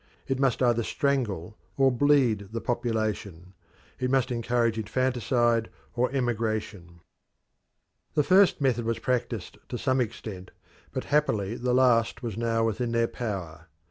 It must either strangle or bleed the population; it must organise infanticide or emigration. The first method was practised to some extent, but happily the last was now within their power.